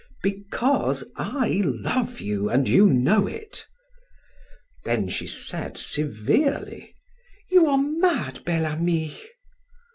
"Because I love you and you know it" Then she said severely: "You are mad, Bel Ami!"